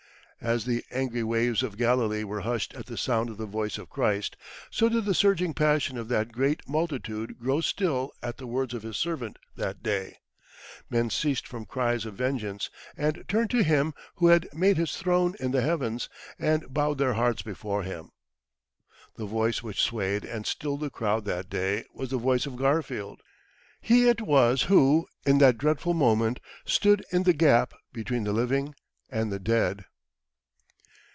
As the angry waves of Galilee were hushed at the sound of the voice of Christ, so did the surging passion of that great multitude grow still at the words of His servant that day. Men ceased from cries of vengeance, and turned to Him who "had made His throne in the heavens," and bowed their hearts before Him. The voice which swayed and stilled the crowd that day was the voice of Garfield; he it was who, in that dreadful moment, stood in the gap between the living and the dead.